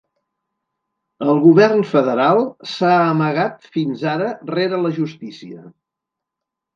El govern federal s’ha amagat fins ara rere la justícia.